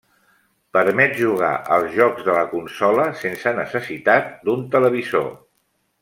Permet jugar als jocs de la consola sense necessitat d'un televisor.